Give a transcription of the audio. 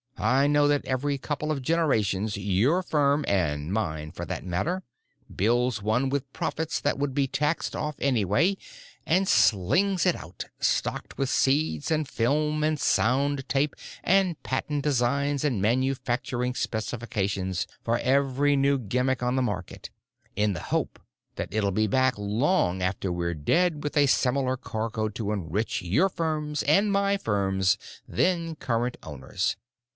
I know that every couple of generations your firm—and mine, for that matter—builds one with profits that would be taxed off anyway and slings it out, stocked with seeds and film and sound tape and patent designs and manufacturing specifications for every new gimmick on the market, in the hope that it'll be back long after we're dead with a similar cargo to enrich your firm's and my firm's then current owners.